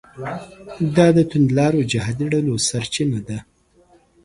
دا د توندلارو جهادي ډلو سرچینه ده.